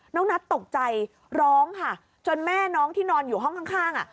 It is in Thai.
นัทตกใจร้องค่ะจนแม่น้องที่นอนอยู่ห้องข้างอ่ะ